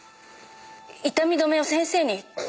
痛み止めを先生に。